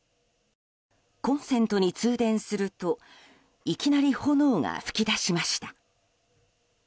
コンセントに通電するといきなり炎が噴き出しました。